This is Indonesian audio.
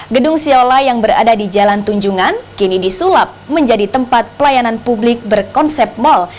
gedung siola yang berada di jalan tunjungan kini disulap menjadi tempat pelayanan publik berkonsep mal